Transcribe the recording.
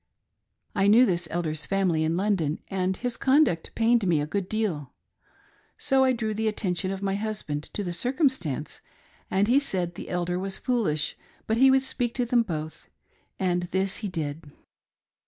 I knew this Elder's family in London, and his conduct pained me a good deal. So I drew the attention of my hus band to the circumstance, and he said the Elder was foolish but he would speak to them both ; and this he did.